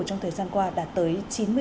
trong thời gian qua đã tới chín mươi sáu